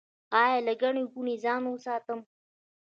ایا له ګڼې ګوڼې ځان وساتم؟